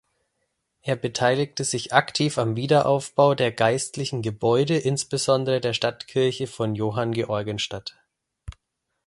Er beteiligte sich aktiv am Wiederaufbau der geistlichen Gebäude, insbesondere der Stadtkirche von Johanngeorgenstadt.